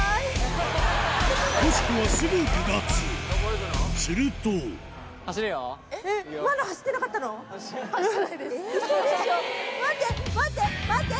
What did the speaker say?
よしこはすぐ離脱すると待って待って待って待って！